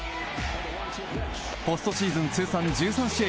ポストシーズン通算１３試合